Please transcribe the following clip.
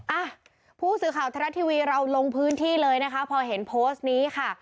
อ่ะผู้สื่อข่าวทรัฐทีวีเราลงพื้นที่เลยนะคะพอเห็นโพสต์นี้ค่ะ